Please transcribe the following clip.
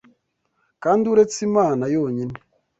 kandi uretse Imana yonyine